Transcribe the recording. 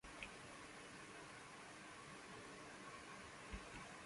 Iglesias ya sea escribió o co-escribió cada canción en el álbum.